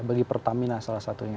bagi pertamina salah satunya